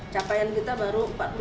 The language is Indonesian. capaian kita baru empat puluh delapan satu